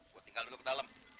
gue tinggal dulu ke dalam